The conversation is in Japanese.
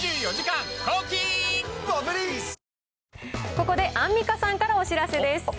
ここでアンミカさんからお知らせです。